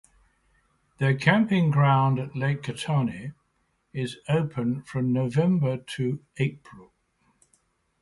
The camping ground at Lake Catani is open from November to April.